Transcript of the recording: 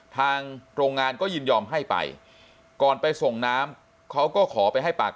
ทางโรงงานก็ยินยอมให้ไปก่อนไปส่งน้ำเขาก็ขอไปให้ปาก